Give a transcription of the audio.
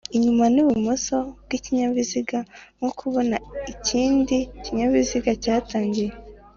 inyuma n ibumoso bw ikinyabiziga nko kubona ikindi kinyabiziga cyatangiye